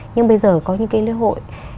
nhưng bây giờ có những cái lễ hội